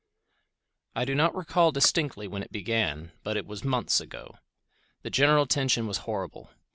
... I do not recall distinctly when it began, but it was months ago. The general tension was horrible.